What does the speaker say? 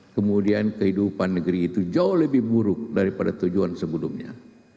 kemudian kehidupan negeri itu jauh lebih buruk daripada tujuan sebelumnya